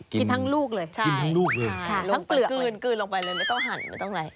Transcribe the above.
กินทั้งลูกเลยใช่ค่ะลงไปคืนลงไปเลยไม่ต้องหั่นไม่ต้องไร